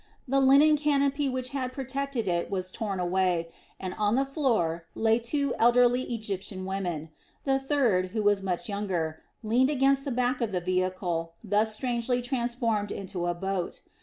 The linen canopy which had protected it was torn away, and on the floor lay two elderly Egyptian women; a third, who was much younger, leaned against the back of the vehicle thus strangely transformed into a boat.